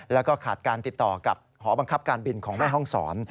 แล้วก็ขาดการติดต่อกับหอบังคับการบินของแม่ห้องศร